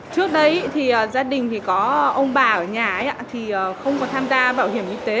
trước đấy thì gia đình có ông bà ở nhà thì không có tham gia bảo hiểm y tế